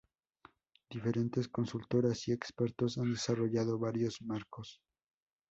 Diferentes consultoras y expertos han desarrollado varios marcos.